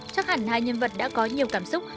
chắc hẳn hai nhân vật đã có nhiều cảm xúc